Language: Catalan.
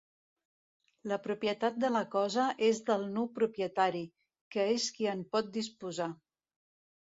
La propietat de la cosa és del nu propietari, que és qui en pot disposar.